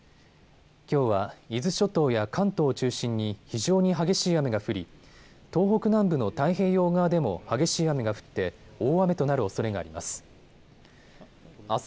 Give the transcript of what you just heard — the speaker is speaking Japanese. きょうは伊豆諸島や関東を中心に非常に激しい雨が降り東北南部の太平洋側でも激しい雨が降って大雨となるおそれがあります。